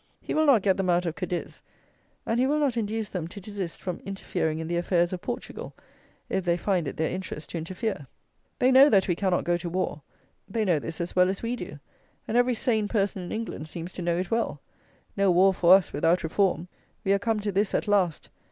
He will not get them out of Cadiz, and he will not induce them to desist from interfering in the affairs of Portugal, if they find it their interest to interfere. They know that we cannot go to war. They know this as well as we do; and every sane person in England seems to know it well. No war for us without Reform! We are come to this at last.